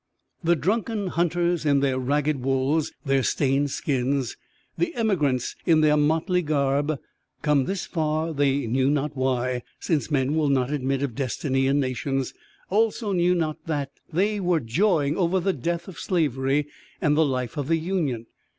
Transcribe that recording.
The drunken hunters in their ragged wools, their stained skins, the emigrants in their motley garb come this far they knew not why, since men will not admit of Destiny in nations also knew not that they were joying over the death of slavery and the life of the Union.